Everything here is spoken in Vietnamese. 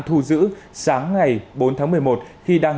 thu giữ sáng ngày bốn tháng một mươi một